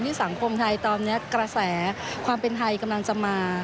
สังคมไทยตอนนี้กระแสความเป็นไทยกำลังจะมา